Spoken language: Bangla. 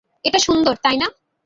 এটা সুন্দর, তাই না?